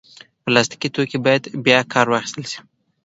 پلاستيکي توکي باید بیا کار واخیستل شي.